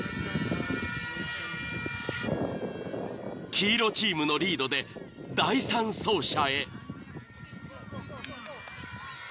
［黄色チームのリードで第３走者へ］